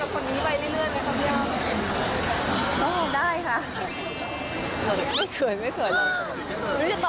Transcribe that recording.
ก็เหนื่อยด้านไรคะ